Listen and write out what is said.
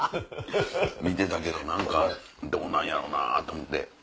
見てたけど何かどうなんやろうなと思って。